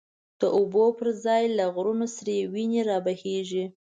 د اوبو پر ځای له غرونو، سری وینی را بهیږی